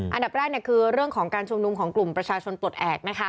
อันดับแรกคือเรื่องของการชุมนุมของกลุ่มประชาชนปลดแอบนะคะ